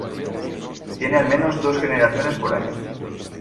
Tiene al menos dos generaciones por año.